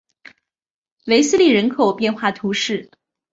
韦斯利人口变化图示